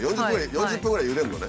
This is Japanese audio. ４０分ぐらいゆでるのね。